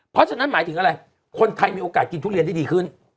เพราะฉะนั้นหมายถึงอะไรคนไทยมีโอกาสกินทุเรียนได้ดีขึ้น